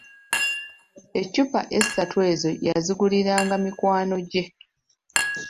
Eccupa essatu ezo yaziguliranga mikwano gye.